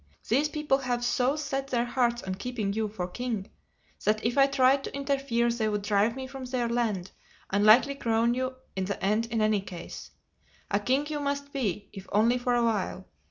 These people have so set their hearts on keeping you for king that if I tried to interfere they would drive me from their land and likely crown you in the end in any case. A king you must be, if only for a while.